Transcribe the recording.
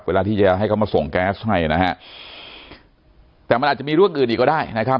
เวลาที่จะให้เขามาส่งแก๊สให้นะฮะแต่มันอาจจะมีเรื่องอื่นอีกก็ได้นะครับ